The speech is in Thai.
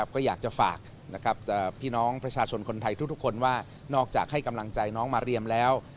ก็อยากจะฝากพี่น้องประชาชนคนไทยทุกคนว่านอกจากให้กำลังใจน้องมาเรียมแล้ว